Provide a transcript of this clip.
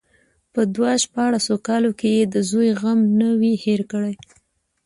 په دو شپاړسو کالو کې يې د زوى غم نه وي هېر کړى.